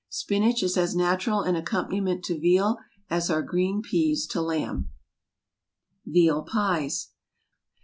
Spinach is as natural an accompaniment to veal as are green peas to lamb. VEAL PIES.